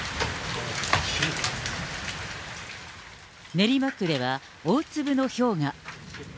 練馬区では、大粒のひょうが。